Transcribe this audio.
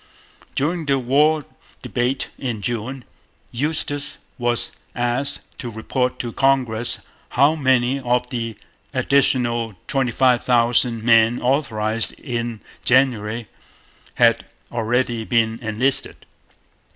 During the war debate in June, Eustis was asked to report to Congress how many of the 'additional' twenty five thousand men authorized in January had already been enlisted.